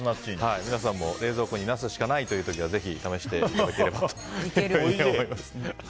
皆さんも冷蔵庫にナスしかないという時はぜひ試していただければと思います。